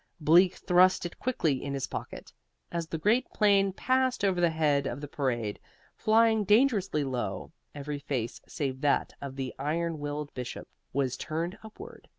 Bleak thrust it quickly in his pocket. As the great plane passed over the head of the parade, flying dangerously low, every face save that of the iron willed Bishop was turned upward.